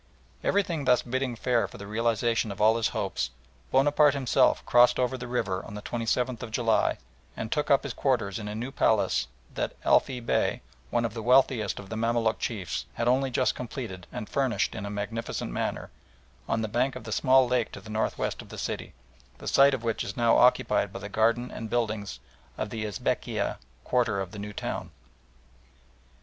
Everything thus bidding fair for the realisation of all his hopes, Bonaparte himself crossed over the river on the 27th of July and took up his quarters in a new palace that Elfy Bey, one of the wealthiest of the Mamaluk chiefs, had only just had completed and furnished in a magnificent manner, on the bank of the small lake to the north west of the city, the site of which is now occupied by the garden and buildings of the Esbekieh quarter of the new town.